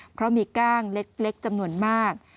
เพราะมีก้างเล็กจำนวนมาก